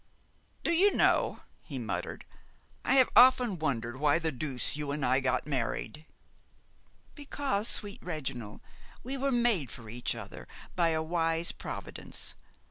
"Do you know," he muttered, "I often wonder why the deuce you an' I got married." "Because, sweet Reginald, we were made for each other by a wise Providence.